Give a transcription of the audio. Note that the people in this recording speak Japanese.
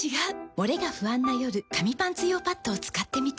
モレが不安な夜紙パンツ用パッドを使ってみた。